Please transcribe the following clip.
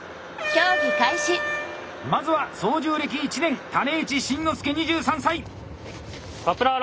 まずは操縦歴１年種市真之介２３歳。